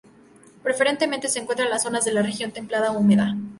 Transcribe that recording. Preferentemente se encuentra en las zonas de la región templado húmeda.